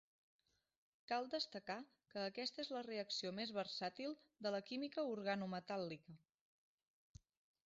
Cal destacar que aquesta és la reacció més versàtil de la química organometàl·lica.